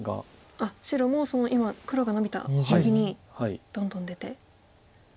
あっ白もその今黒がノビた右にどんどん出て。